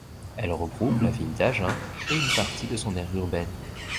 Elle regroupe la ville d'Agen et une partie de son aire urbaine.